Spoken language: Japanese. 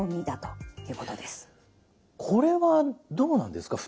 これはどうなんですか？